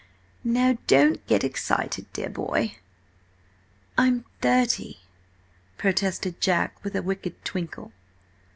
"Now don't get excited, dear boy!" "I'm thirty!" protested Jack with a wicked twinkle.